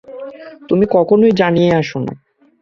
তুমি তো কখনোই জানিয়ে আসো না।